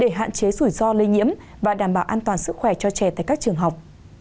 để hạn chế rủi ro lây nhiễm và đảm bảo an toàn sức khỏe cho trẻ tại các trường học